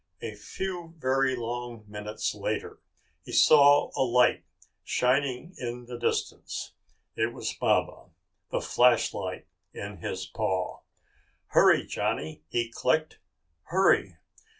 A few very long minutes later, he saw a light shining in the distance. It was Baba, the flashlight in his paw. "Hurry, Johnny!" he clicked. "Hurry."